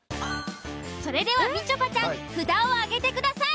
それではみちょぱちゃん札を挙げてください。